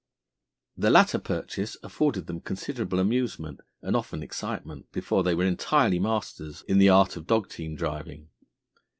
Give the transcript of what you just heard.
The latter purchase afforded them considerable amusement and often excitement before they were entirely masters in the art of dog team driving.